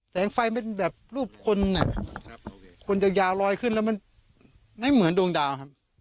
แตงไฟเป็นรูปคนอย่าลอยขึ้นแล้วน่าเหมือนดวงดาว